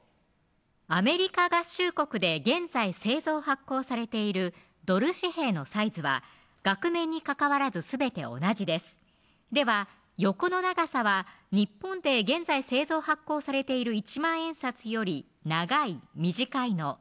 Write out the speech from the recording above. アメリカ合衆国で現在製造・発行されているドル紙幣のサイズは額面に関わらずすべて同じですでは横の長さは日本で現在製造・発行されている１万円札より長い・短いのどちらでしょう